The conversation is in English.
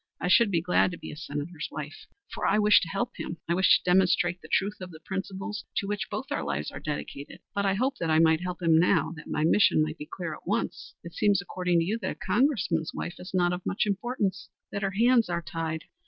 I should be glad to be a Senator's wife, for for I wish to help him. I wish to demonstrate the truth of the principles to which both our lives are dedicated. But I hoped that I might help him now that my mission might be clear at once. It seems according to you that a Congressman's wife is not of much importance; that her hands are tied."